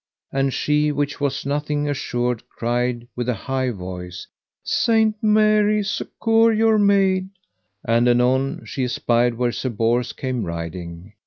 And she which was nothing assured cried with an high voice: Saint Mary succour your maid. And anon she espied where Sir Bors came riding.